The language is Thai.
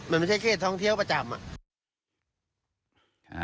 มันไม่ใช่เขตท้องเที่ยวประจำอะ